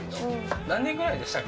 何年ぐらいでしたっけ？